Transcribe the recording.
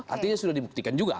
artinya sudah dibuktikan juga